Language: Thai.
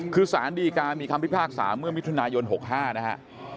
คือสารดีกามีคำพิพากษาเมื่อมิถุนายน๖๕นะฮะ